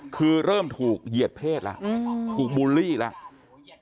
คือเริ่มถูกเหยียดเพศแล้วถูกบูลลี่แล้ว